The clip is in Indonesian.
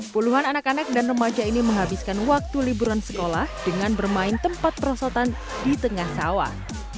puluhan anak anak dan remaja ini menghabiskan waktu liburan sekolah dengan bermain tempat perosotan di tengah sawah